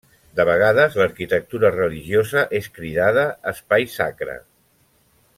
De vegades l'arquitectura religiosa és cridada espai sacre.